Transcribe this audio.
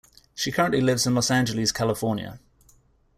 She currently lives in Los Angeles, California.